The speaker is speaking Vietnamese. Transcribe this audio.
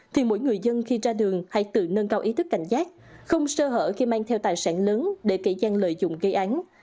thì mỗi người dân khi ra đường hãy tự nâng cao ý thức cảnh giác không sơ hở khi mang theo tài sản lớn để kẻ gian lợi dụng gây án